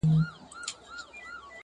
ادبي نړۍ کي نوم لري تل,